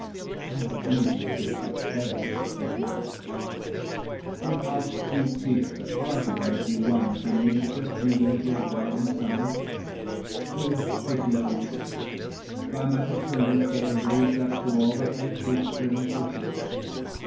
How easy 'tis for parents to forgive ! With how few tears a pardon might be won From nature, pleading for a darling son ! 960 Poor pitied youth, by my paternal care Raised up to all the height his frame could bear!